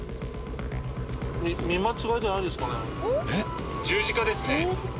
見間違いじゃないですかね。